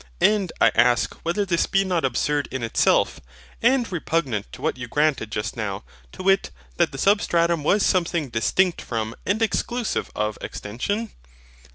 And I ask whether this be not absurd in itself, and repugnant to what you granted just now, to wit, that the SUBSTRATUM was something distinct from and exclusive of extension?